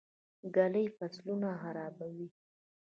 ږلۍ فصلونه خرابوي.